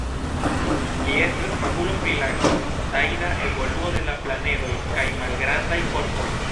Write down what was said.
Li estas fakulo pri la tajda evoluo de la planedoj kaj malgrandaj korpoj.